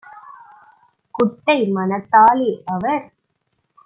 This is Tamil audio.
குட்டை மனத்தாலே - அவர்